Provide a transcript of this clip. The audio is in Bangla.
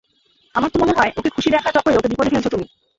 আমার তো মনে হয়, ওকে খুশি দেখার চক্করে ওকে বিপদে ফেলছ তুমি।